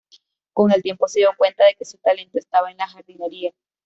Con el tiempo se dio cuenta de que su talento estaba en la jardinería.